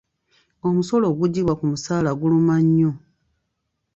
Omusolo oguggyibwa ku musaala guluma nnyo.